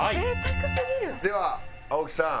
では青木さん。